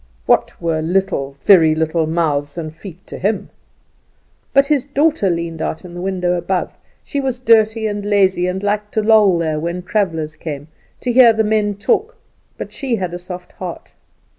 What were little, very little, mouths and feet to him. But his daughter leaned out in the window above. She was dirty and lazy, and liked to loll there when travellers came, to hear the men talk, but she had a soft heart.